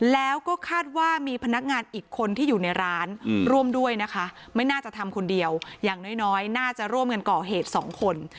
แล้วก็คาดว่ามีพนักงานอีกคนที่อยู่ในร้านร่วมด้วยนะคะไม่น่าจะทำคนเดียวอย่างน้อยน่าจะร่วมกันก่อเหตุสองคน